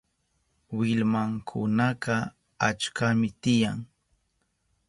Willmankunaka achkami tiyan.